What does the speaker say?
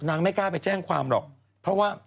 ไม่กล้าไปแจ้งความหรอกเพราะว่า